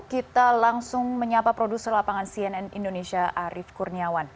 kita langsung menyapa produser lapangan cnn indonesia arief kurniawan